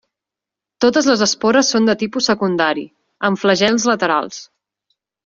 Totes les espores són de tipus secundari, amb flagels laterals.